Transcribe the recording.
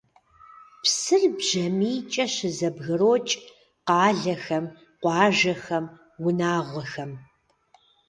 Псыр бжьамийкӀэ щызэбгрокӀ къалэхэм, къуажэхэм, унагъуэхэм.